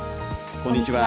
こんにちは。